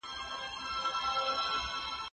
مالي پالیسي له نړیوال بازار سره نژدي تړاو لري.